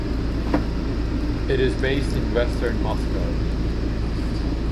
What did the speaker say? It is based in Western Moscow.